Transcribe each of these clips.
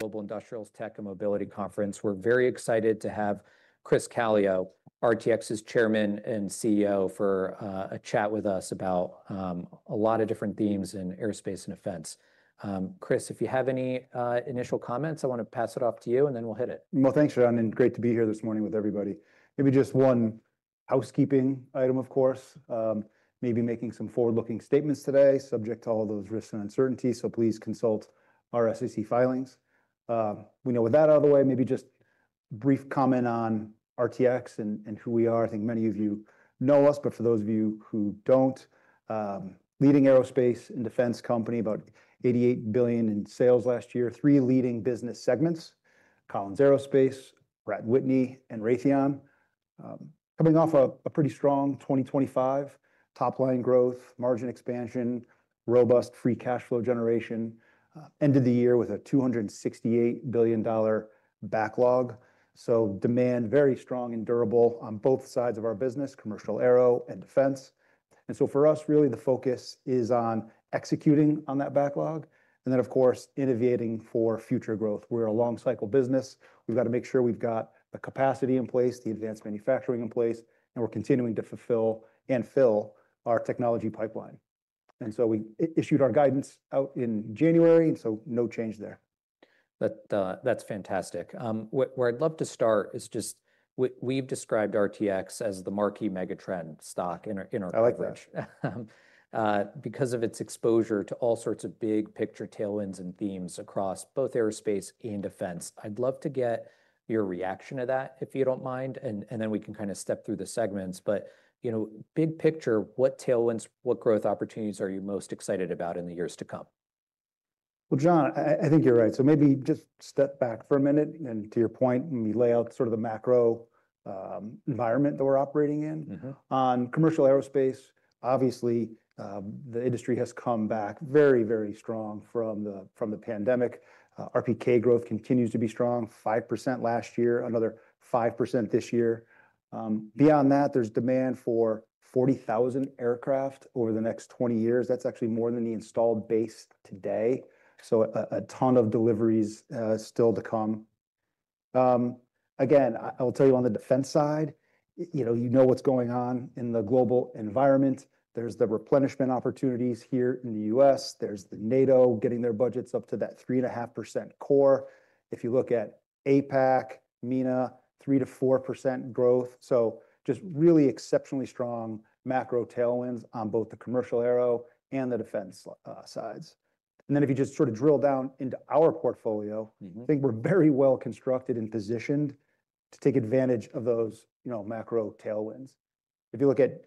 Global Industrial Tech and Mobility Conference. We're very excited to have Chris Calio, RTX's Chairman and CEO, for a chat with us about a lot of different themes in aerospace and defense. Chris, if you have any initial comments, I want to pass it off to you, and then we'll hit it. Well, thanks, Jon, and great to be here this morning with everybody. Maybe just one housekeeping item, of course. Maybe making some forward-looking statements today, subject to all those risks and uncertainties, so please consult our SEC filings. We know with that out of the way, maybe just a brief comment on RTX and, and who we are. I think many of you know us, but for those of you who don't, leading aerospace and defense company, about $88 billion in sales last year. Three leading business segments: Collins Aerospace, Pratt & Whitney, and Raytheon. Coming off a pretty strong 2025, top-line growth, margin expansion, robust free cash flow generation, ended the year with a $268 billion backlog. So demand very strong and durable on both sides of our business, commercial aero and defense. And so for us, really, the focus is on executing on that backlog and then, of course, innovating for future growth. We're a long-cycle business. We've got to make sure we've got the capacity in place, the advanced manufacturing in place, and we're continuing to fulfill and fill our technology pipeline. And so we issued our guidance out in January, and so no change there. That, that's fantastic. Where I'd love to start is just we've described RTX as the marquee megatrend stock in our, in our- I like that. Because of its exposure to all sorts of big-picture tailwinds and themes across both aerospace and defense. I'd love to get your reaction to that, if you don't mind, and, and then we can kind of step through the segments. But, you know, big picture, what tailwinds, what growth opportunities are you most excited about in the years to come? Well, Jon, I think you're right. So maybe just step back for a minute, and to your point, let me lay out sort of the macro environment that we're operating in. Mm-hmm. On commercial aerospace, obviously, the industry has come back very, very strong from the pandemic. RPK growth continues to be strong, 5% last year, another 5% this year. Beyond that, there's demand for 40,000 aircraft over the next 20 years. That's actually more than the installed base today, so a ton of deliveries still to come. Again, I'll tell you on the defense side, you know what's going on in the global environment. There's the replenishment opportunities here in the US. There's the NATO getting their budgets up to that 3.5% core. If you look at APAC, MENA, 3%-4% growth, so just really exceptionally strong macro tailwinds on both the commercial aero and the defense sides. Then, if you just sort of drill down into our portfolio- Mm-hmm... I think we're very well constructed and positioned to take advantage of those, you know, macro tailwinds. If you look at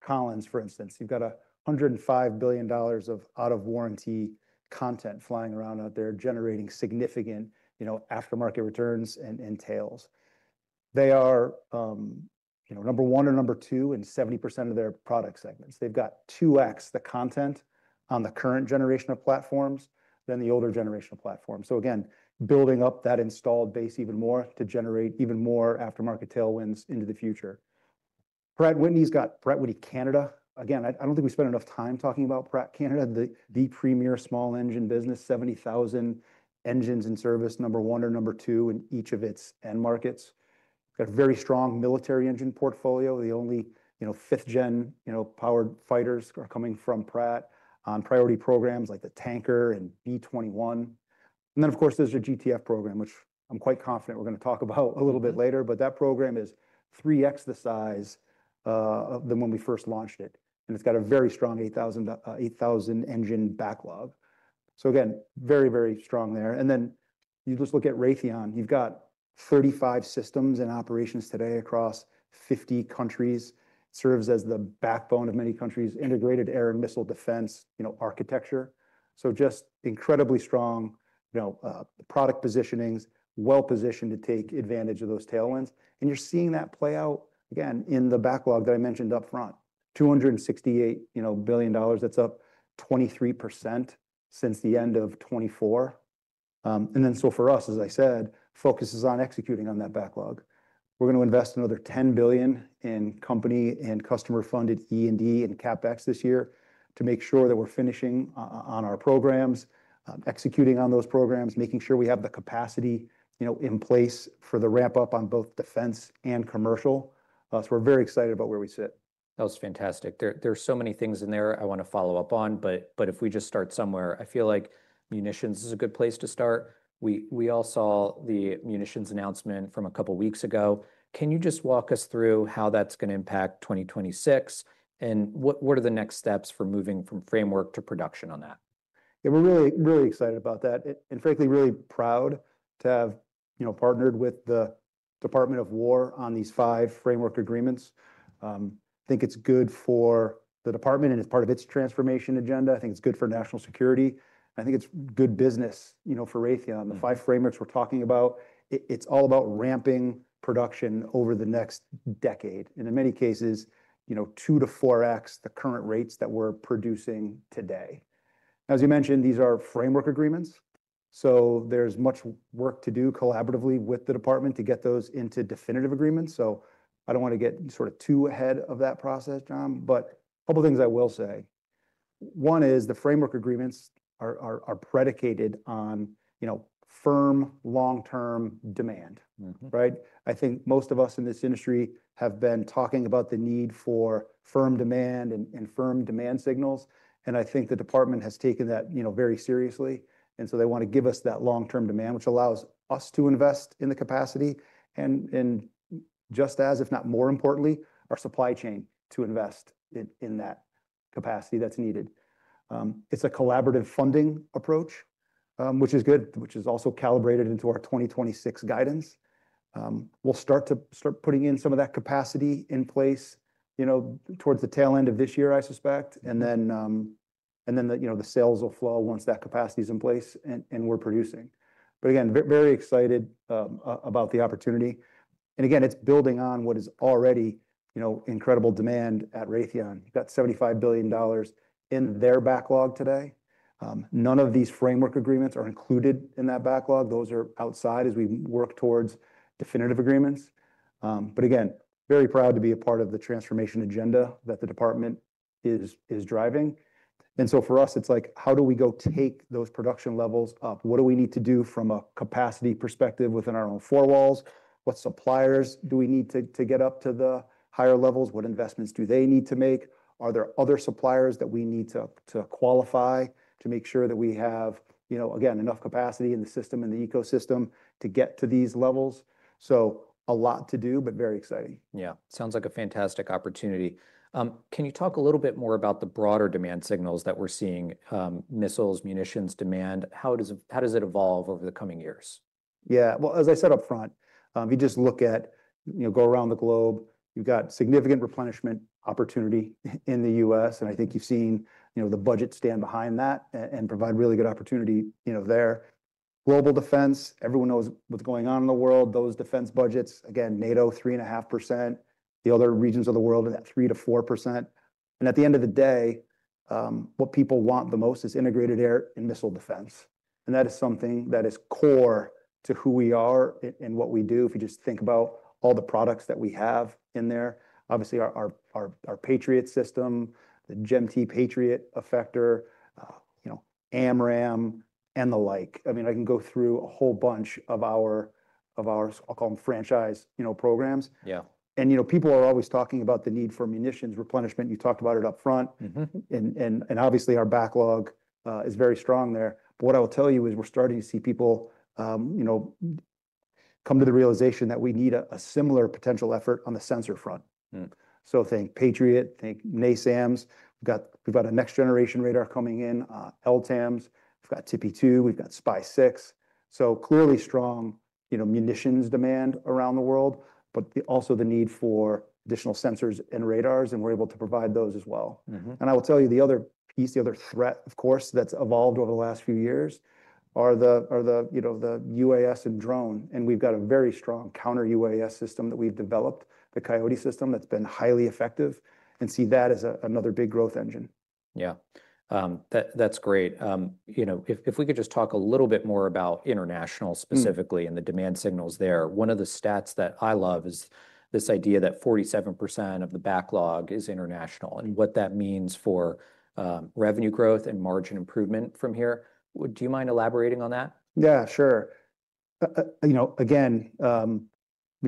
Collins, for instance, you've got $105 billion of out-of-warranty content flying around out there, generating significant, you know, aftermarket returns and, and tails. They are, you know, number one or number two in 70% of their product segments. They've got 2x the content on the current generation of platforms than the older generation of platforms. So again, building up that installed base even more to generate even more aftermarket tailwinds into the future. Pratt & Whitney's got Pratt & Whitney Canada. Again, I, I don't think we spend enough time talking about Pratt Canada, the, the premier small engine business, 70,000 engines in service, number one or number two in each of its end markets. Got a very strong military engine portfolio, the only, you know, 5th-gen, you know, powered fighters are coming from Pratt on priority programs like the Tanker and B-21. And then, of course, there's your GTF program, which I'm quite confident we're going to talk about a little bit later. But that program is 3x the size than when we first launched it, and it's got a very strong 8,000 engine backlog. So again, very, very strong there. And then you just look at Raytheon. You've got 35 systems in operations today across 50 countries, serves as the backbone of many countries' integrated air and missile defense, you know, architecture. So just incredibly strong, you know, product positionings, well-positioned to take advantage of those tailwinds. You're seeing that play out, again, in the backlog that I mentioned up front, $268 billion. That's up 23% since the end of 2024. Then, for us, as I said, focus is on executing on that backlog. We're going to invest another $10 billion in company and customer-funded E&D and CapEx this year to make sure that we're finishing on our programs, executing on those programs, making sure we have the capacity, you know, in place for the ramp-up on both defense and commercial. So we're very excited about where we sit. That was fantastic. There are so many things in there I want to follow up on, but if we just start somewhere, I feel like munitions is a good place to start. We all saw the munitions announcement from a couple weeks ago. Can you just walk us through how that's going to impact 2026, and what are the next steps for moving from framework to production on that? Yeah, we're really, really excited about that and, and frankly, really proud to have, you know, partnered with the Department of Defense on these five framework agreements. I think it's good for the department, and it's part of its transformation agenda. I think it's good for national security. I think it's good business, you know, for Raytheon. Mm. The five frameworks we're talking about, it's all about ramping production over the next decade, and in many cases, you know, 2-4x the current rates that we're producing today. As you mentioned, these are framework agreements, so there's much work to do collaboratively with the department to get those into definitive agreements. So I don't want to get sort of too ahead of that process, Jon, but a couple of things I will say. One is the framework agreements are predicated on, you know, firm long-term demand. Mm-hmm. Right? I think most of us in this industry have been talking about the need for firm demand and firm demand signals, and I think the department has taken that, you know, very seriously. And so they want to give us that long-term demand, which allows us to invest in the capacity and just as, if not more importantly, our supply chain to invest in that capacity that's needed. It's a collaborative funding approach, which is good, which is also calibrated into our 2026 guidance. We'll start putting in some of that capacity in place, you know, towards the tail end of this year, I suspect, and then the sales will flow once that capacity is in place, and we're producing. But again, very excited about the opportunity. And again, it's building on what is already, you know, incredible demand at Raytheon. You've got $75 billion in their backlog today. None of these framework agreements are included in that backlog. Those are outside as we work towards definitive agreements. But again, very proud to be a part of the transformation agenda that the department is driving. And so for us, it's like: How do we go take those production levels up? What do we need to do from a capacity perspective within our own four walls? What suppliers do we need to get up to the higher levels? What investments do they need to make? Are there other suppliers that we need to qualify to make sure that we have, you know, again, enough capacity in the system and the ecosystem to get to these levels? A lot to do, but very exciting. Yeah. Sounds like a fantastic opportunity. Can you talk a little bit more about the broader demand signals that we're seeing, missiles, munitions, demand? How does it evolve over the coming years? Yeah, well, as I said up front, if you just look at—you know, go around the globe, you've got significant replenishment opportunity in the US, and I think you've seen, you know, the budget stand behind that and provide really good opportunity, you know, there. Global defense, everyone knows what's going on in the world. Those defense budgets, again, NATO, 3.5%. The other regions of the world are at 3%-4%. And at the end of the day, what people want the most is integrated air and missile defense, and that is something that is core to who we are and what we do. If you just think about all the products that we have in there, obviously, our Patriot system, the GEM-T Patriot Effector, you know, AMRAAM, and the like. I mean, I can go through a whole bunch of our, of our... I'll call them franchise, you know, programs. Yeah. You know, people are always talking about the need for munitions replenishment. You talked about it up front. Mm-hmm. Obviously, our backlog is very strong there. But what I will tell you is we're starting to see people, you know, come to the realization that we need a similar potential effort on the sensor front. Mm. So think Patriot, think NASAMS. We've got, we've got a next-generation radar coming in, LTAMDS. We've got TPY-2, we've got SPY-6. So clearly strong, you know, munitions demand around the world, but also the need for additional sensors and radars, and we're able to provide those as well. Mm-hmm. I will tell you the other piece, the other threat, of course, that's evolved over the last few years are the you know, the UAS and drone, and we've got a very strong counter-UAS system that we've developed, the Coyote system, that's been highly effective, and see that as a another big growth engine. Yeah. That's great. You know, if we could just talk a little bit more about international- Mm... specifically and the demand signals there. One of the stats that I love is this idea that 47% of the backlog is international, and what that means for revenue growth and margin improvement from here. Do you mind elaborating on that? Yeah, sure. You know, again, when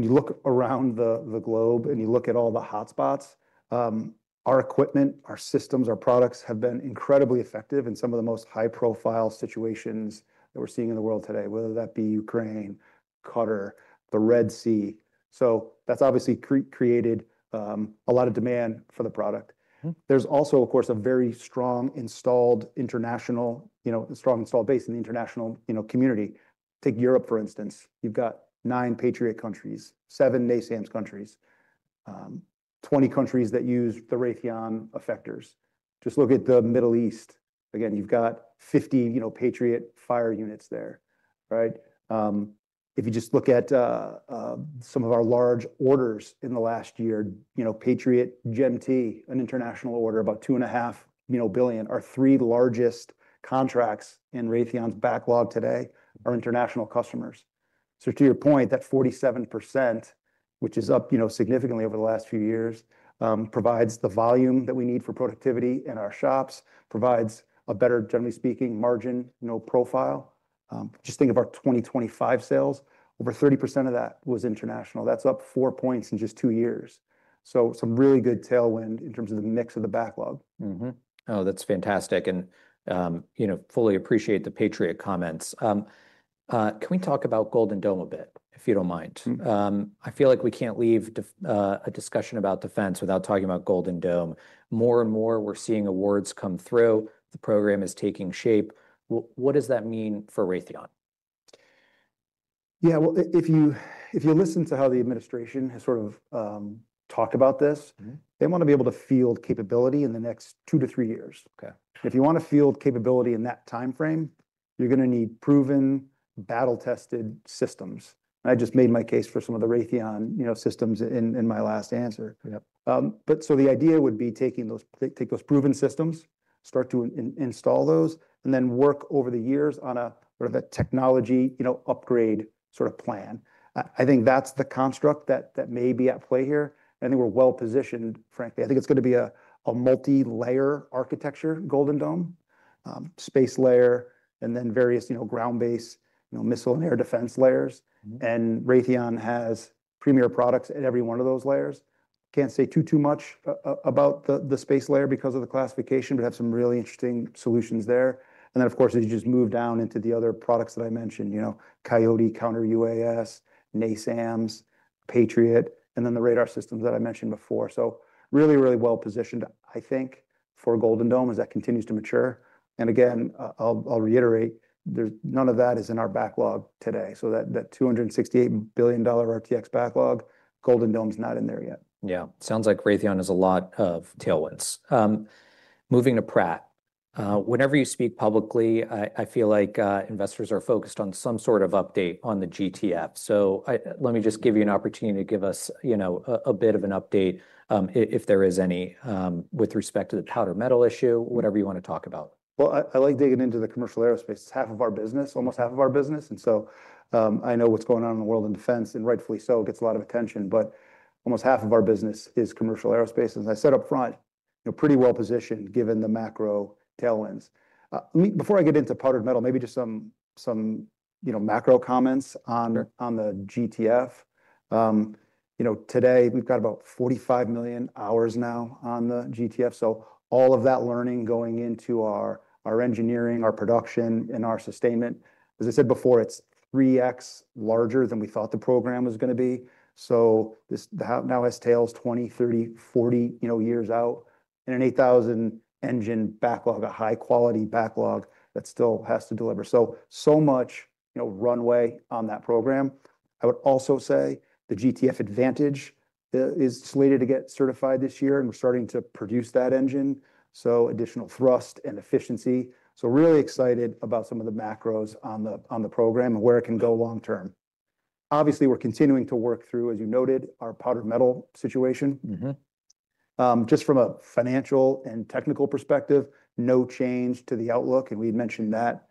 you look around the globe, and you look at all the hotspots, our equipment, our systems, our products have been incredibly effective in some of the most high-profile situations that we're seeing in the world today, whether that be Ukraine, Qatar, the Red Sea. So that's obviously created a lot of demand for the product. Mm. There's also, of course, a very strong installed international, you know, strong installed base in the international, you know, community. Take Europe, for instance. You've got nine Patriot countries, seven NASAMS countries, 20 countries that use the Raytheon effectors. Just look at the Middle East. Again, you've got 50, you know, Patriot fire units there, right? If you just look at some of our large orders in the last year, you know, Patriot GEM-T, an international order, about $2.5 billion. Our three largest contracts in Raytheon's backlog today are international customers. So to your point, that 47%, which is up, you know, significantly over the last few years, provides the volume that we need for productivity in our shops, provides a better, generally speaking, margin, you know, profile. Just think of our 2025 sales. Over 30% of that was international. That's up four points in just two years. So some really good tailwind in terms of the mix of the backlog. Mm-hmm. Oh, that's fantastic and, you know, fully appreciate the Patriot comments. Can we talk about Golden Dome a bit, if you don't mind? Mm. I feel like we can't leave a discussion about defense without talking about Golden Dome. More and more, we're seeing awards come through. The program is taking shape. What does that mean for Raytheon? Yeah, well, if you, if you listen to how the administration has sort of talked about this- Mm-hmm... they want to be able to field capability in the next two-three years. Okay. If you want to field capability in that timeframe, you're gonna need proven, battle-tested systems. I just made my case for some of the Raytheon, you know, systems in my last answer. Yep. But so the idea would be taking those proven systems, take those proven systems, start to install those, and then work over the years on a sort of a technology, you know, upgrade sort of plan. I think that's the construct that may be at play here, and I think we're well positioned, frankly. I think it's gonna be a multilayer architecture, Golden Dome, space layer and then various, you know, ground-based, you know, missile and air defense layers. And Raytheon has premier products at every one of those layers. Can't say too much about the space layer because of the classification, but have some really interesting solutions there. And then, of course, as you just move down into the other products that I mentioned, you know, Coyote Counter-UAS, NASAMS, Patriot, and then the radar systems that I mentioned before. So really, really well-positioned, I think, for Golden Dome as that continues to mature. And again, I'll, I'll reiterate, there's none of that is in our backlog today, so that, that $268 billion RTX backlog, Golden Dome is not in there yet. Yeah. Sounds like Raytheon has a lot of tailwinds. Moving to Pratt. Whenever you speak publicly, I feel like investors are focused on some sort of update on the GTF. So let me just give you an opportunity to give us, you know, a bit of an update, if there is any, with respect to the powder metal issue, whatever you want to talk about. Well, I like digging into the commercial aerospace. It's half of our business, almost half of our business, and so, I know what's going on in the world in defense, and rightfully so, it gets a lot of attention, but almost half of our business is commercial aerospace. As I said up front, you know, pretty well-positioned, given the macro tailwinds. Let me, before I get into powdered metal, maybe just some, you know, macro comments on- Sure... on the GTF. You know, today we've got about 45 million hours now on the GTF, so all of that learning going into our engineering, our production, and our sustainment. As I said before, it's 3x larger than we thought the program was gonna be. So this now has tails 20, 30, 40, you know, years out, and an 8,000 engine backlog, a high-quality backlog that still has to deliver. So much, you know, runway on that program. I would also say the GTF Advantage is slated to get certified this year, and we're starting to produce that engine, so additional thrust and efficiency. So really excited about some of the macros on the program and where it can go long term. Obviously, we're continuing to work through, as you noted, our powdered metal situation. Mm-hmm. Just from a financial and technical perspective, no change to the outlook, and we mentioned that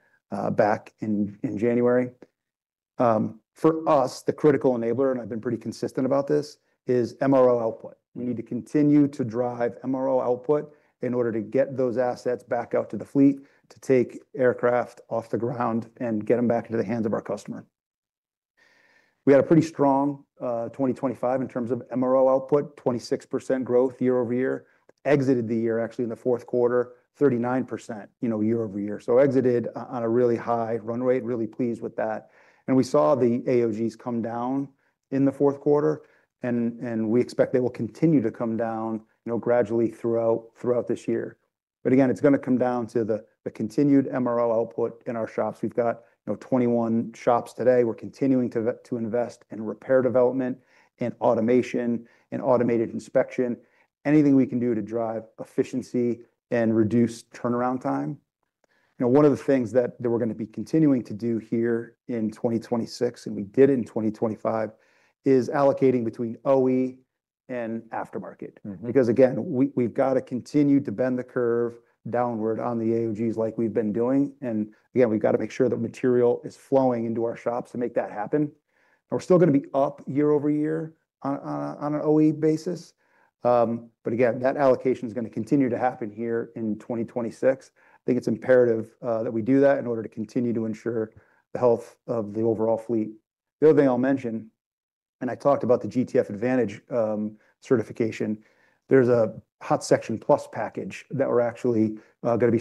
back in January. For us, the critical enabler, and I've been pretty consistent about this, is MRO output. We need to continue to drive MRO output in order to get those assets back out to the fleet, to take aircraft off the ground and get them back into the hands of our customer. We had a pretty strong 2025 in terms of MRO output, 26% growth YoY. Exited the year, actually in the fourth quarter, 39%, you know, YoY. So exited on a really high run rate, really pleased with that. And we saw the AOGs come down in the fourth quarter, and we expect they will continue to come down, you know, gradually throughout this year. But again, it's gonna come down to the continued MRO output in our shops. We've got, you know, 21 shops today. We're continuing to invest in repair development and automation and automated inspection. Anything we can do to drive efficiency and reduce turnaround time. You know, one of the things that we're gonna be continuing to do here in 2026, and we did in 2025, is allocating between OE and aftermarket. Mm-hmm. Because, again, we, we've got to continue to bend the curve downward on the AOGs like we've been doing, and again, we've got to make sure that material is flowing into our shops to make that happen. And we're still gonna be up year over year on an OE basis, but again, that allocation is gonna continue to happen here in 2026. I think it's imperative that we do that in order to continue to ensure the health of the overall fleet. The other thing I'll mention, and I talked about the GTF Advantage certification, there's a hot section plus package that we're actually gonna be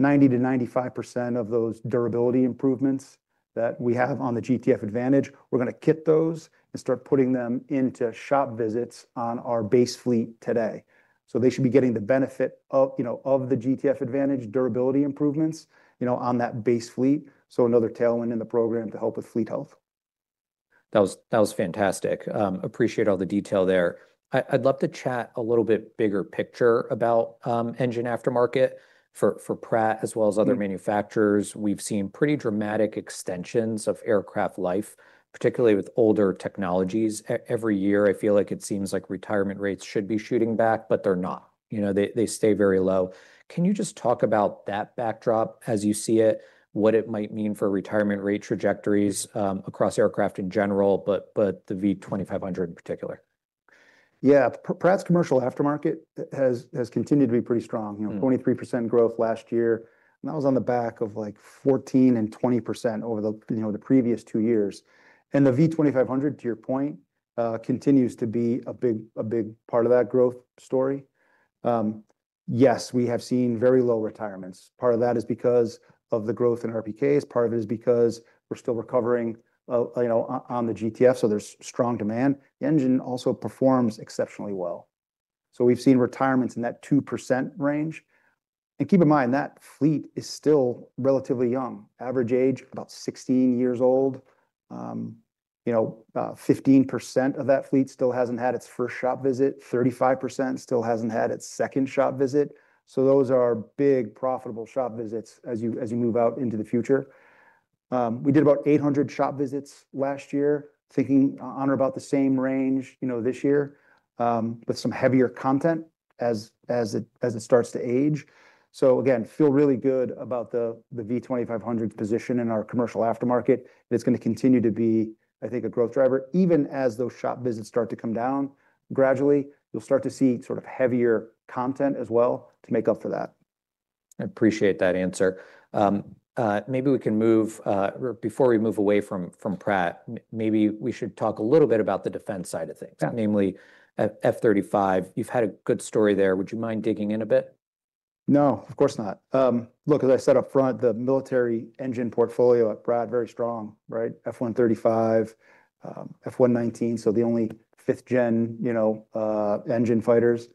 certifying at the same time. That's 90%-95% of those durability improvements that we have on the GTF Advantage. We're gonna kit those and start putting them into shop visits on our base fleet today. So they should be getting the benefit of, you know, of the GTF Advantage, durability improvements, you know, on that base fleet, so another tailwind in the program to help with fleet health. That was, that was fantastic. Appreciate all the detail there. I'd love to chat a little bit bigger picture about engine aftermarket for Pratt, as well as other- Mm... manufacturers. We've seen pretty dramatic extensions of aircraft life, particularly with older technologies. Every year, I feel like it seems like retirement rates should be shooting back, but they're not. You know, they stay very low. Can you just talk about that backdrop as you see it, what it might mean for retirement rate trajectories across aircraft in general, but the V2500 in particular? Yeah. Pratt's commercial aftermarket has continued to be pretty strong- Mm. You know, 23% growth last year, and that was on the back of, like, 14 and 20% over the, you know, the previous two years. And the V2500, to your point, continues to be a big, a big part of that growth story. Yes, we have seen very low retirements. Part of that is because of the growth in RPKs, part of it is because we're still recovering, you know, on the GTF, so there's strong demand. The engine also performs exceptionally well. So we've seen retirements in that 2% range. And keep in mind, that fleet is still relatively young. Average age, about 16 years old. 15% of that fleet still hasn't had its first shop visit, 35% still hasn't had its second shop visit. So those are big, profitable shop visits as you, as you move out into the future. We did about 800 shop visits last year, thinking on about the same range, you know, this year, with some heavier content as it starts to age. So again, feel really good about the V2500 position in our commercial aftermarket, and it's gonna continue to be, I think, a growth driver. Even as those shop visits start to come down gradually, you'll start to see sort of heavier content as well to make up for that.... I appreciate that answer. Maybe we can move, or before we move away from, from Pratt, maybe we should talk a little bit about the defense side of things- Yeah. namely, F-35. You've had a good story there. Would you mind digging in a bit? No, of course not. Look, as I said up front, the military engine portfolio at Pratt, very strong, right? F135, F119, so the only fifth-gen, you know, engine fighters,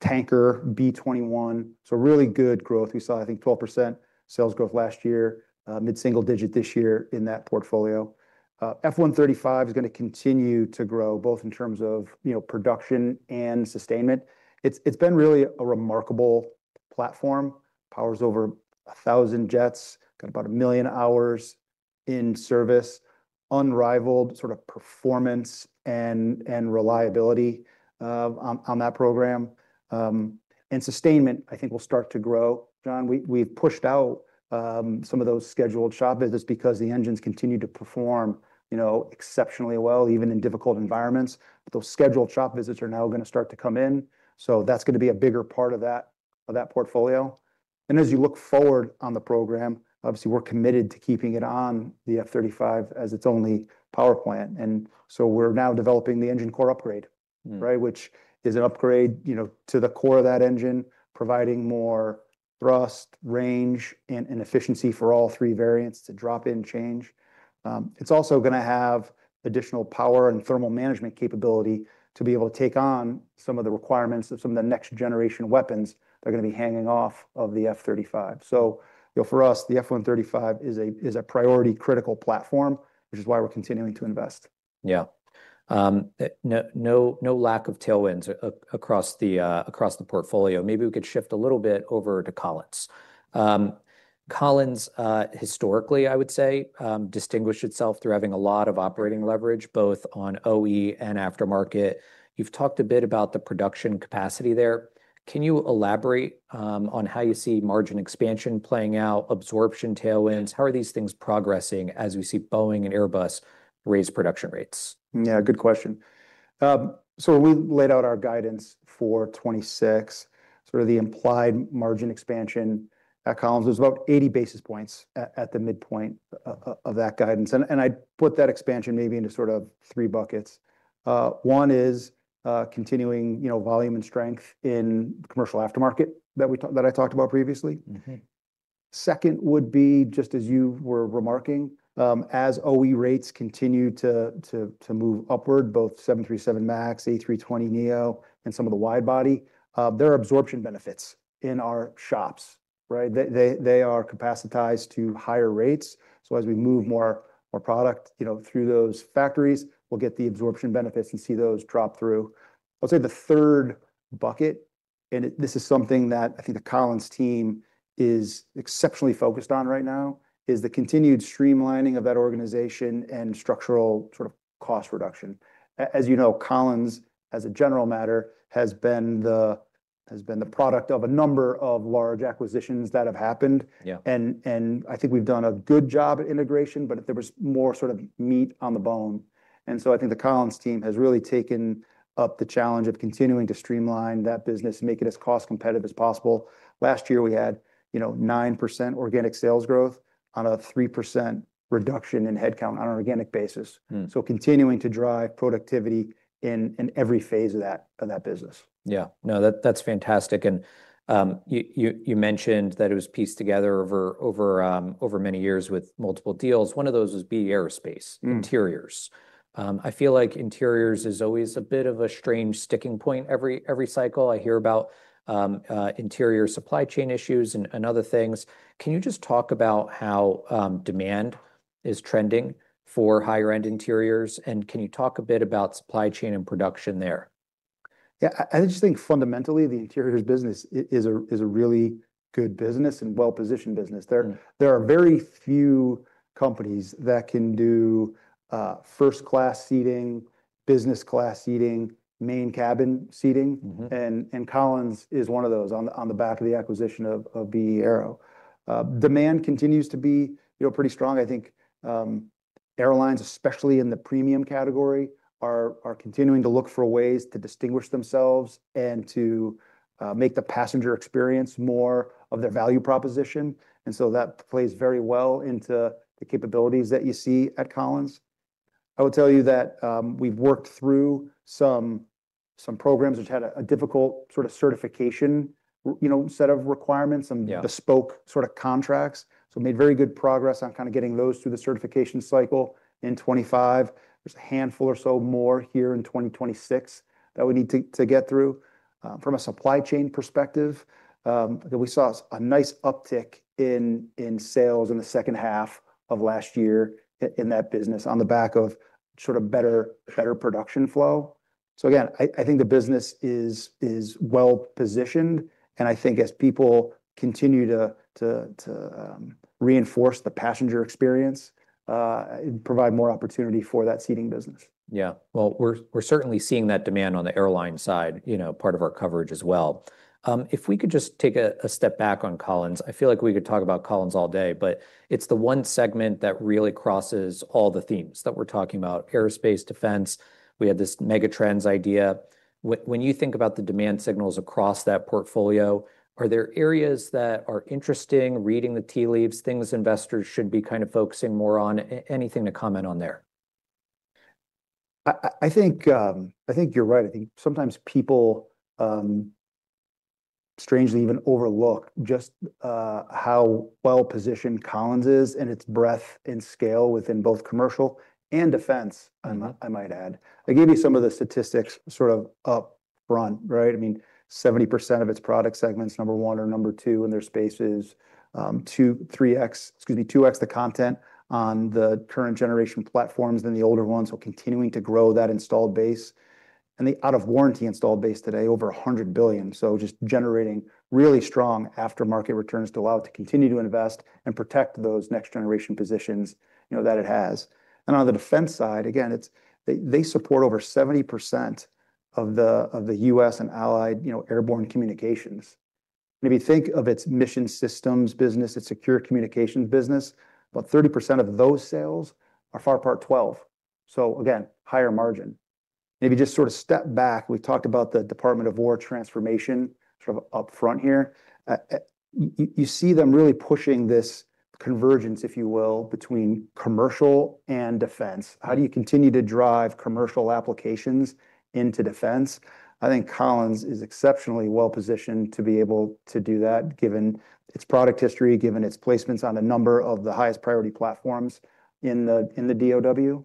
tanker B21, so really good growth. We saw, I think, 12% sales growth last year, mid-single digit this year in that portfolio. F135 is gonna continue to grow, both in terms of, you know, production and sustainment. It's been really a remarkable platform, powers over 1,000 jets, got about 1 million hours in service, unrivaled sort of performance and reliability, on that program. And sustainment, I think, will start to grow. Jon, we've pushed out some of those scheduled shop visits because the engines continue to perform, you know, exceptionally well, even in difficult environments. But those scheduled shop visits are now gonna start to come in, so that's gonna be a bigger part of that, of that portfolio. And as you look forward on the program, obviously, we're committed to keeping it on the F-35 as its only power plant, and so we're now developing the engine core upgrade- Mm. Right? Which is an upgrade, you know, to the core of that engine, providing more thrust, range, and efficiency for all three variants to drop-in change. It's also gonna have additional power and thermal management capability to be able to take on some of the requirements of some of the next-generation weapons that are gonna be hanging off of the F-35. So, you know, for us, the F135 is a priority critical platform, which is why we're continuing to invest. Yeah. No, no, no lack of tailwinds across the, across the portfolio. Maybe we could shift a little bit over to Collins. Collins, historically, I would say, distinguished itself through having a lot of operating leverage, both on OE and aftermarket. You've talked a bit about the production capacity there. Can you elaborate on how you see margin expansion playing out, absorption tailwinds? How are these things progressing as we see Boeing and Airbus raise production rates? Yeah, good question. So we laid out our guidance for 2026. Sort of the implied margin expansion at Collins was about 80 basis points at the midpoint of that guidance, and I'd put that expansion maybe into sort of three buckets. One is continuing, you know, volume and strength in commercial aftermarket that I talked about previously. Mm-hmm. Second would be, just as you were remarking, as OE rates continue to move upward, both 737 MAX, A320neo, and some of the wide-body, there are absorption benefits in our shops, right? They are capacitized to higher rates, so as we move more product, you know, through those factories, we'll get the absorption benefits and see those drop through. I'd say the third bucket, and this is something that I think the Collins team is exceptionally focused on right now, is the continued streamlining of that organization and structural sort of cost reduction. As you know, Collins, as a general matter, has been the product of a number of large acquisitions that have happened. Yeah. I think we've done a good job at integration, but there was more sort of meat on the bone, and so I think the Collins team has really taken up the challenge of continuing to streamline that business and make it as cost competitive as possible. Last year, we had, you know, 9% organic sales growth on a 3% reduction in headcount on an organic basis. Mm. So, continuing to drive productivity in every phase of that business. Yeah. No, that's fantastic. And you mentioned that it was pieced together over many years with multiple deals. One of those was B/E Aerospace- Mm... Interiors. I feel like interiors is always a bit of a strange sticking point. Every cycle I hear about interior supply chain issues and other things. Can you just talk about how demand is trending for higher-end interiors, and can you talk a bit about supply chain and production there? Yeah, I just think fundamentally, the interiors business is a really good business and well-positioned business there. Mm. There are very few companies that can do first-class seating, business-class seating, main cabin seating- Mm-hmm... and Collins is one of those on the back of the acquisition of B/E Aerospace. Demand continues to be, you know, pretty strong. I think airlines, especially in the premium category, are continuing to look for ways to distinguish themselves and to make the passenger experience more of their value proposition, and so that plays very well into the capabilities that you see at Collins. I will tell you that we've worked through some programs which had a difficult sort of certification, you know, set of requirements- Yeah... some bespoke sort of contracts. So we made very good progress on kind of getting those through the certification cycle in 2025. There's a handful or so more here in 2026 that we need to get through. From a supply chain perspective, we saw a nice uptick in sales in the second half of last year in that business on the back of sort of better production flow. So again, I think the business is well-positioned, and I think as people continue to reinforce the passenger experience, it provide more opportunity for that seating business. Yeah. Well, we're certainly seeing that demand on the airline side, you know, part of our coverage as well. If we could just take a step back on Collins, I feel like we could talk about Collins all day, but it's the one segment that really crosses all the themes that we're talking about: aerospace, defense. We had this megatrends idea. When you think about the demand signals across that portfolio, are there areas that are interesting, reading the tea leaves, things investors should be kind of focusing more on? Anything to comment on there? I think you're right. I think sometimes people strangely even overlook just how well-positioned Collins is and its breadth and scale within both commercial and defense, I might add. I gave you some of the statistics sort of upfront, right? I mean, 70% of its product segments, number one or number two in their spaces, 2x the content on the current generation platforms than the older ones. Continuing to grow that installed base. The out-of-warranty installed base today, over $100 billion. Just generating really strong aftermarket returns to allow it to continue to invest and protect those next-generation positions, you know, that it has. On the defense side, again, they support over 70% of the U.S. and allied, you know, airborne communications. Maybe think of its mission systems business, its secure communications business. About 30% of those sales are FAR Part 12. So again, higher margin. Maybe just sort of step back. We've talked about the Department of Defense transformation sort of upfront here. You see them really pushing this convergence, if you will, between commercial and defense. How do you continue to drive commercial applications into defense? I think Collins is exceptionally well positioned to be able to do that, given its product history, given its placements on a number of the highest priority platforms in the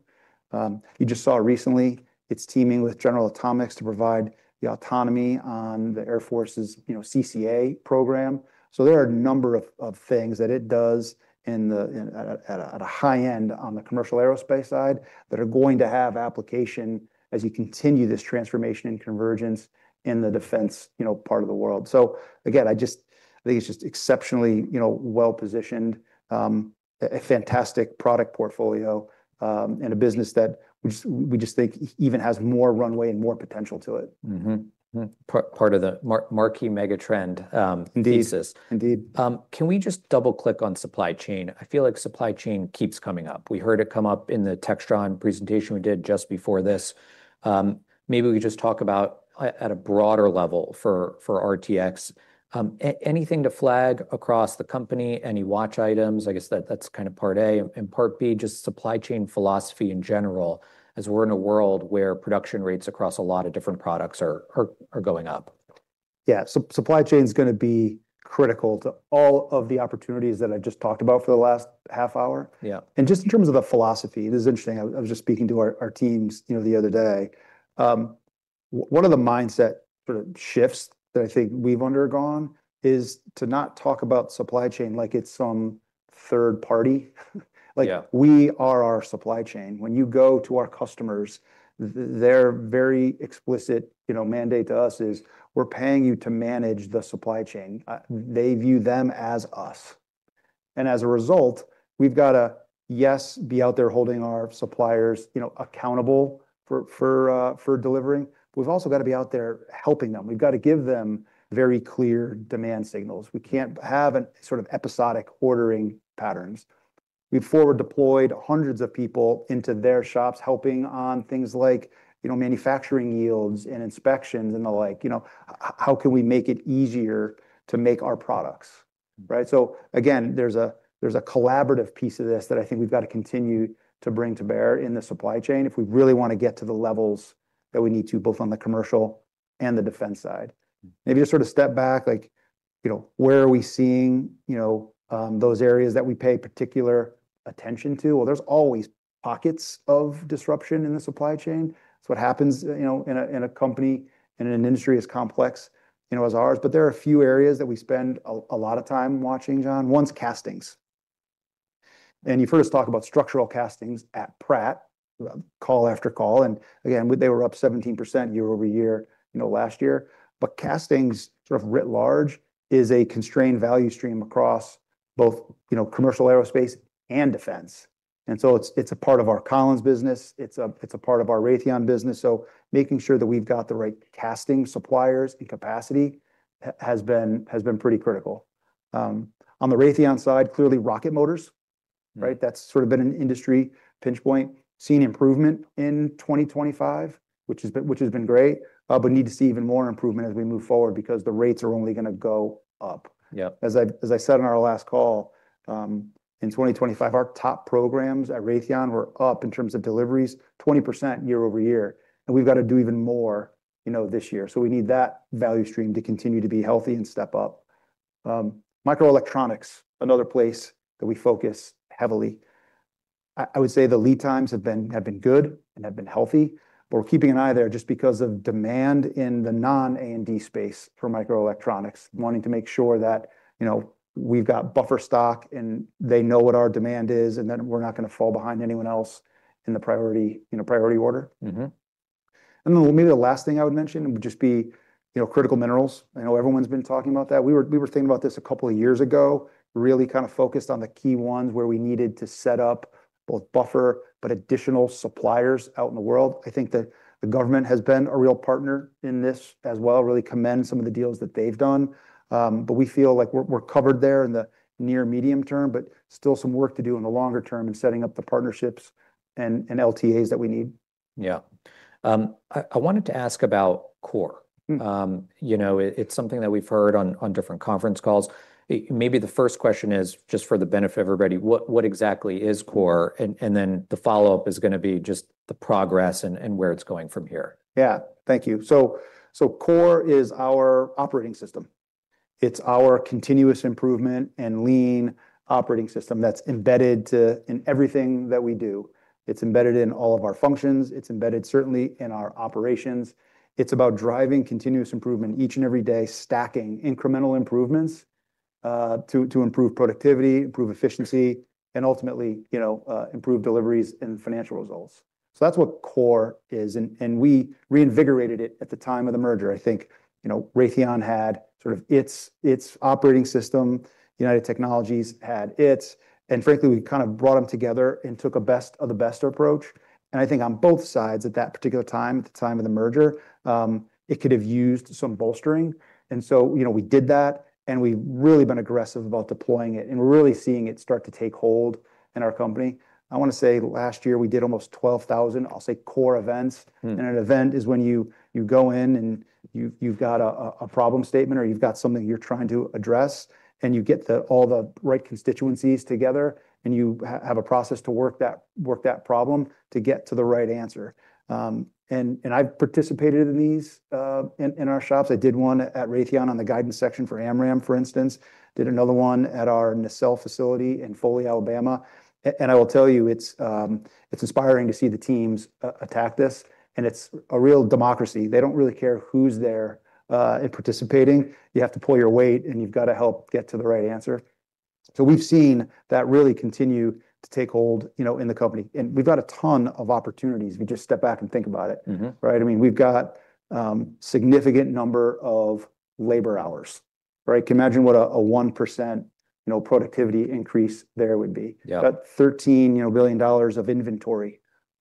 DoD. You just saw recently, it's teaming with General Atomics to provide the autonomy on the Air Force's, you know, CCA program. There are a number of things that it does at a high end on the commercial aerospace side, that are going to have application as you continue this transformation and convergence in the defense, you know, part of the world. I just think it's just exceptionally, you know, well positioned, a fantastic product portfolio, you know, and a business that we just think even has more runway and more potential to it. Mm-hmm. Mm. Part of the marquee mega trend thesis. Indeed. Indeed. Can we just double-click on supply chain? I feel like supply chain keeps coming up. We heard it come up in the Textron presentation we did just before this. Maybe we just talk about at a broader level for RTX. Anything to flag across the company, any watch items? I guess that's kind of part A, and part B, just supply chain philosophy in general, as we're in a world where production rates across a lot of different products are going up. Yeah. So supply chain is gonna be critical to all of the opportunities that I just talked about for the last half hour. Yeah. Just in terms of the philosophy, this is interesting. I was just speaking to our teams, you know, the other day. One of the mindset sort of shifts that I think we've undergone is to not talk about supply chain like it's some third party. Yeah. Like, we are our supply chain. When you go to our customers, their very explicit, you know, mandate to us is: We're paying you to manage the supply chain. They view them as us. And as a result, we've got to, yes, be out there holding our suppliers, you know, accountable for delivering. We've also got to be out there helping them. We've got to give them very clear demand signals. We can't have a sort of episodic ordering patterns. We've forward deployed hundreds of people into their shops, helping on things like, you know, manufacturing yields and inspections and the like, you know, how can we make it easier to make our products, right? So again, there's a collaborative piece of this that I think we've got to continue to bring to bear in the supply chain if we really want to get to the levels that we need to, both on the commercial and the defense side. Maybe just sort of step back, like, you know, where are we seeing, you know, those areas that we pay particular attention to? Well, there's always pockets of disruption in the supply chain. It's what happens, you know, in a company and in an industry as complex, you know, as ours. But there are a few areas that we spend a lot of time watching, Jon. One's castings. And you've heard us talk about structural castings at Pratt, call after call, and again, they were up 17% YoY, you know, last year. But castings, sort of writ large, is a constrained value stream across both, you know, commercial, aerospace, and defense. And so it's a part of our Collins business. It's a part of our Raytheon business. So making sure that we've got the right casting suppliers and capacity has been pretty critical. On the Raytheon side, clearly, rocket motors, right? That's sort of been an industry pinch point. Seen improvement in 2025, which has been great, but need to see even more improvement as we move forward because the rates are only gonna go up. Yeah. As I, as I said on our last call, in 2025, our top programs at Raytheon were up in terms of deliveries, 20% YoY, and we've got to do even more, you know, this year. So we need that value stream to continue to be healthy and step up. Microelectronics, another place that we focus heavily. I, I would say the lead times have been, have been good and have been healthy, but we're keeping an eye there just because of demand in the non-A&D space for microelectronics, wanting to make sure that, you know, we've got buffer stock, and they know what our demand is, and then we're not gonna fall behind anyone else in the priority, you know, priority order. Mm-hmm. And then maybe the last thing I would mention would just be, you know, critical minerals. I know everyone's been talking about that. We were thinking about this a couple of years ago, really kind of focused on the key ones where we needed to set up both buffer but additional suppliers out in the world. I think that the government has been a real partner in this as well. I really commend some of the deals that they've done. But we feel like we're covered there in the near medium term, but still some work to do in the longer term in setting up the partnerships and LTAs that we need. Yeah... I wanted to ask about CORE. Mm. You know, it's something that we've heard on different conference calls. Maybe the first question is, just for the benefit of everybody, what exactly is CORE? And then the follow-up is gonna be just the progress and where it's going from here. Yeah. Thank you. CORE is our operating system. It's our continuous improvement and lean operating system that's embedded in everything that we do. It's embedded in all of our functions. It's embedded, certainly, in our operations. It's about driving continuous improvement each and every day, stacking incremental improvements, you know, to improve productivity, improve efficiency, and ultimately, you know, improve deliveries and financial results. That's what CORE is. We reinvigorated it at the time of the merger. I think, you know, Raytheon had sort of its operating system, United Technologies had its, and frankly, we kind of brought them together and took a best of the best approach. I think on both sides, at that particular time, at the time of the merger, it could have used some bolstering. And so, you know, we did that, and we've really been aggressive about deploying it, and we're really seeing it start to take hold in our company. I wanna say last year we did almost 12,000, I'll say, CORE events. Mm. An event is when you go in, and you've got a problem statement, or you've got something you're trying to address, and you get all the right constituencies together, and you have a process to work that problem to get to the right answer. And I've participated in these in our shops. I did one at Raytheon on the guidance section for AMRAAM, for instance, did another one at our Nacelle facility in Foley, Alabama. And I will tell you, it's inspiring to see the teams attack this, and it's a real democracy. They don't really care who's there in participating. You have to pull your weight, and you've got to help get to the right answer. We've seen that really continue to take hold, you know, in the company, and we've got a ton of opportunities if we just step back and think about it. Mm-hmm. Right? I mean, we've got significant number of labor hours, right? You can imagine what a 1%, you know, productivity increase there would be. Yeah. Got $13 billion, you know, of inventory.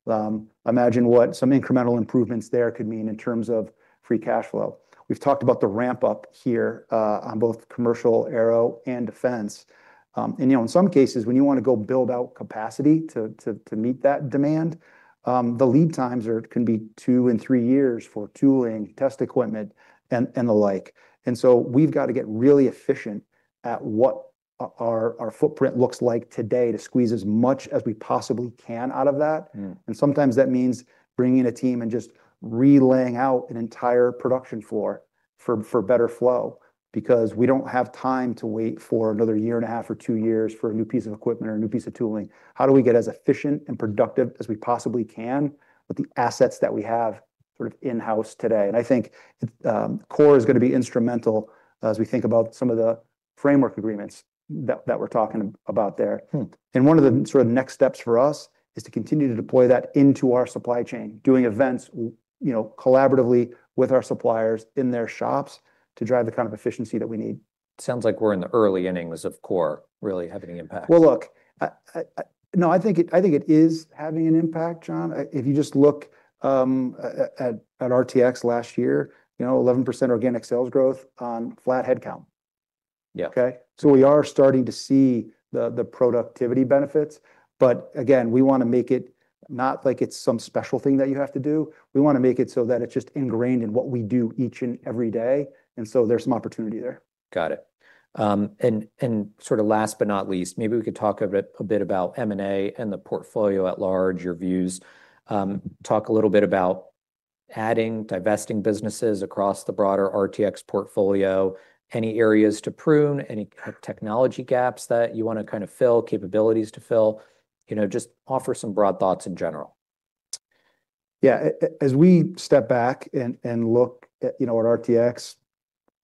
Imagine what some incremental improvements there could mean in terms of free cash flow. We've talked about the ramp-up here on both commercial aero and defense. And, you know, in some cases, when you wanna go build out capacity to meet that demand, the lead times can be two-three years for tooling, test equipment, and the like. And so we've got to get really efficient at what our footprint looks like today to squeeze as much as we possibly can out of that. Mm-hmm. Sometimes that means bringing a team and just re-laying out an entire production floor for better flow because we don't have time to wait for another year and a half or two years for a new piece of equipment or a new piece of tooling. How do we get as efficient and productive as we possibly can with the assets that we have sort of in-house today? And I think, CORE is gonna be instrumental as we think about some of the framework agreements that we're talking about there. Hmm. One of the sort of next steps for us is to continue to deploy that into our supply chain, doing events, you know, collaboratively with our suppliers in their shops to drive the kind of efficiency that we need. Sounds like we're in the early innings of CORE really having an impact. Well, look, no, I think it is having an impact, Jon. If you just look at RTX last year, you know, 11% organic sales growth on flat headcount. Yeah. Okay? So we are starting to see the productivity benefits, but again, we wanna make it not like it's some special thing that you have to do. We wanna make it so that it's just ingrained in what we do each and every day, and so there's some opportunity there. Got it. And sort of last but not least, maybe we could talk a bit about M&A and the portfolio at large, your views. Talk a little bit about adding, divesting businesses across the broader RTX portfolio. Any areas to prune, any technology gaps that you wanna kind of fill, capabilities to fill? You know, just offer some broad thoughts in general. Yeah. As we step back and look at, you know, at RTX,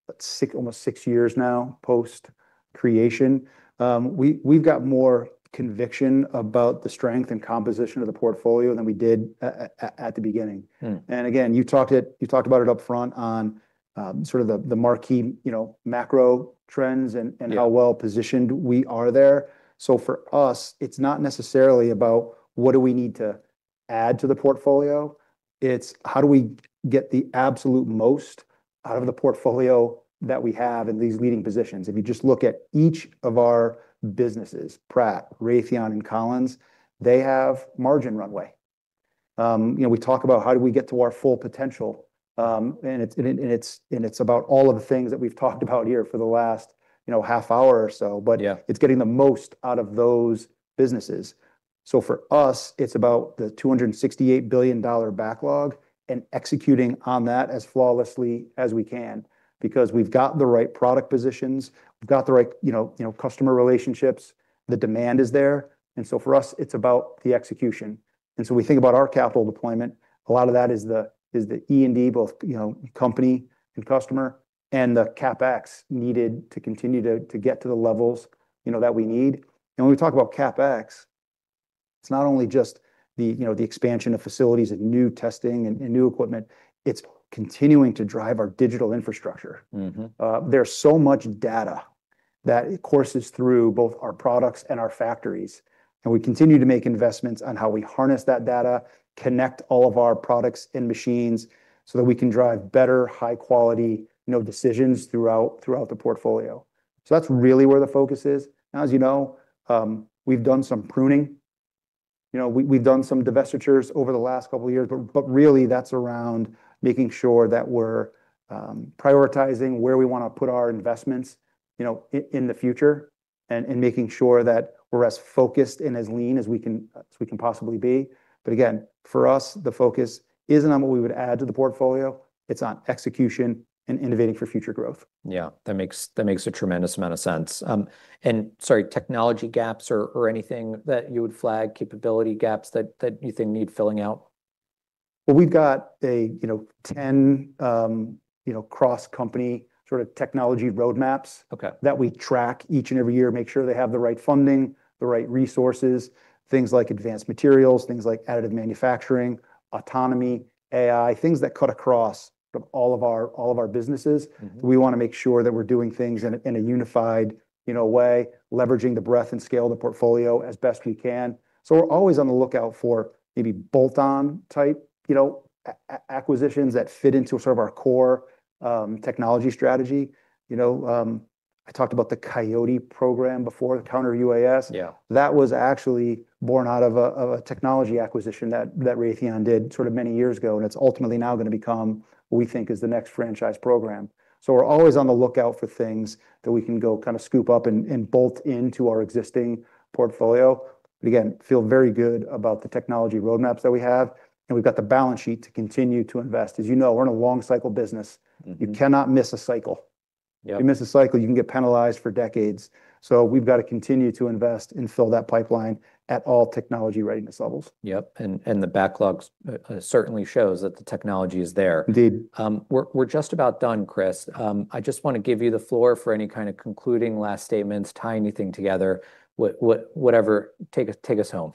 it's six, almost six years now post-creation. We've got more conviction about the strength and composition of the portfolio than we did at the beginning. Hmm. And again, you talked about it upfront on sort of the marquee, you know, macro trends... Yeah... and how well-positioned we are there. So for us, it's not necessarily about what do we need to add to the portfolio? It's how do we get the absolute most out of the portfolio that we have in these leading positions? If you just look at each of our businesses, Pratt, Raytheon, and Collins, they have margin runway. You know, we talk about how do we get to our full potential, and it's about all of the things that we've talked about here for the last, you know, half hour or so. Yeah. But it's getting the most out of those businesses. So for us, it's about the $268 billion backlog and executing on that as flawlessly as we can, because we've got the right product positions, we've got the right, you know, you know, customer relationships, the demand is there, and so for us, it's about the execution. And so we think about our capital deployment, a lot of that is the E&D, both, you know, company and customer, and the CapEx needed to continue to get to the levels, you know, that we need. And when we talk about CapEx, it's not only just the, you know, the expansion of facilities and new testing and new equipment, it's continuing to drive our digital infrastructure. Mm-hmm. There's so much data that courses through both our products and our factories, and we continue to make investments on how we harness that data, connect all of our products and machines, so that we can drive better, high-quality, you know, decisions throughout, throughout the portfolio. So that's really where the focus is. As you know, we've done some pruning. You know, we've done some divestitures over the last couple of years, but really that's around making sure that we're prioritizing where we wanna put our investments, you know, in the future, and making sure that we're as focused and as lean as we can possibly be. But again, for us, the focus isn't on what we would add to the portfolio, it's on execution and innovating for future growth. Yeah, that makes a tremendous amount of sense. And sorry, technology gaps or anything that you would flag, capability gaps that you think need filling out? Well, we've got a, you know, 10, you know, cross-company sort of technology roadmaps- Okay. that we track each and every year, make sure they have the right funding, the right resources, things like advanced materials, things like additive manufacturing, autonomy, AI, things that cut across of all of our, all of our businesses. Mm-hmm. We wanna make sure that we're doing things in a unified, you know, way, leveraging the breadth and scale of the portfolio as best we can. So we're always on the lookout for maybe bolt-on type, you know, acquisitions that fit into sort of our core, technology strategy. You know, I talked about the Coyote program before the counter UAS. Yeah. That was actually born out of a technology acquisition that Raytheon did sort of many years ago, and it's ultimately now gonna become what we think is the next franchise program. So we're always on the lookout for things that we can go kind of scoop up and bolt into our existing portfolio. But again, feel very good about the technology roadmaps that we have, and we've got the balance sheet to continue to invest. As you know, we're in a long cycle business. Mm-hmm. You cannot miss a cycle. Yeah. You miss a cycle, you can get penalized for decades. So we've got to continue to invest and fill that pipeline at all technology readiness levels. Yep, and the backlogs certainly shows that the technology is there. Indeed. We're just about done, Chris. I just wanna give you the floor for any kind of concluding last statements, tie anything together, what, whatever. Take us home.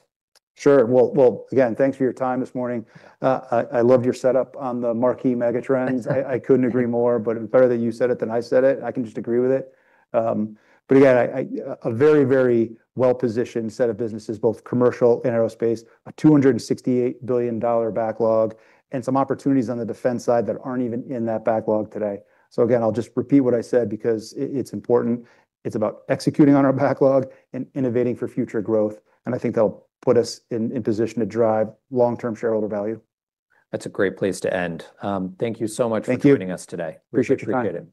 Sure. Well, well, again, thanks for your time this morning. I loved your setup on the marquee megatrends. I couldn't agree more, but it's better that you said it than I said it. I can just agree with it. But again, a very, very well-positioned set of businesses, both commercial and aerospace, a $268 billion backlog, and some opportunities on the defense side that aren't even in that backlog today. So again, I'll just repeat what I said because it's important. It's about executing on our backlog and innovating for future growth, and I think that'll put us in position to drive long-term shareholder value. That's a great place to end. Thank you so much- Thank you. for joining us today. Appreciate your time. Appreciate it.